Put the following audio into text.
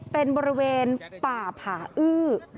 เป็นบริเวณป่าผาอื้อ